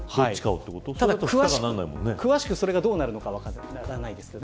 詳しくそれがどうなるのか分からないですけどね。